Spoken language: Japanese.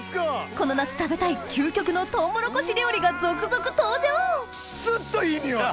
この夏食べたい究極のとうもろこし料理が続々登場ずっといい匂い。